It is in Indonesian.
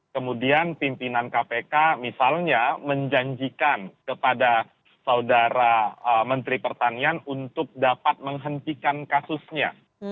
kemudian pimpinan kpk misalnya menjanjikan kepada saudara menteri pertanian untuk dapat menghentikan kasusnya